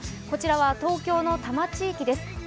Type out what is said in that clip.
こちらは東京の多摩地域です。